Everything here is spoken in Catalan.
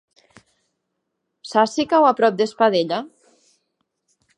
Saps si cau a prop d'Espadella?